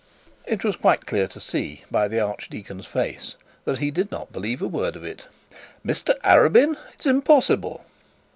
It was quite clear to see by the archdeacon's face, that he did not believe a word of it. 'Mr Arabin! It's impossible!'